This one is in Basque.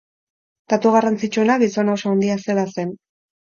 Datu garrantzitsuena, gizona oso handia zela zen.